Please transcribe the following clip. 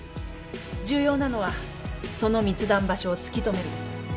重要なのはその密談場所を突き止めること。